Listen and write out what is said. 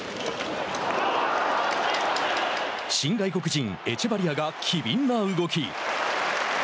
新外国人エチェバリアが機敏な動き。